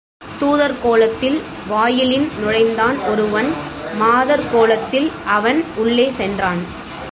துாதர் கோலத்தில் வாயிலின் நுழைந்தான் ஒருவன், மாதர் கோலத்தில் அவன் உள்ளே சென்றான்.